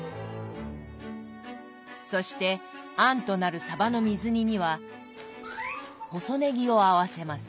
そして餡となるさばの水煮には細ねぎを合わせます。